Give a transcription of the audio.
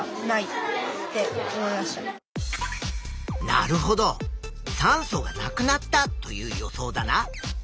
なるほど酸素がなくなったという予想だな。